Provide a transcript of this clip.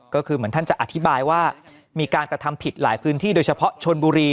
ก็คือเหมือนท่านจะอธิบายว่ามีการกระทำผิดหลายพื้นที่โดยเฉพาะชนบุรี